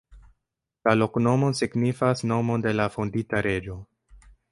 La loknomo signifas nomon de la fondinta reĝo.